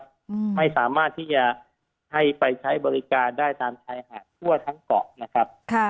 อืมไม่สามารถที่จะให้ไปใช้บริการได้ตามชายหาดทั่วทั้งเกาะนะครับค่ะ